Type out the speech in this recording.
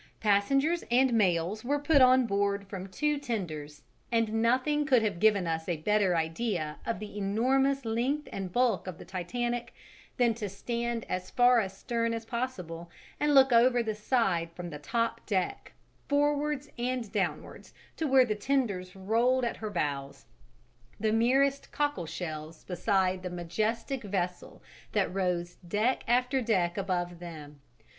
Passengers and mails were put on board from two tenders, and nothing could have given us a better idea of the enormous length and bulk of the Titanic than to stand as far astern as possible and look over the side from the top deck, forwards and downwards to where the tenders rolled at her bows, the merest cockleshells beside the majestic vessel that rose deck after deck above them.